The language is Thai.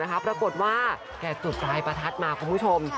ปรากฏว่าแกจุดปลายประทัดมาคุณผู้ชม